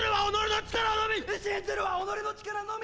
信ずるは己の力のみ！